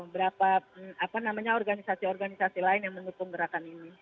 berapa organisasi organisasi lain yang mendukung gerakan ini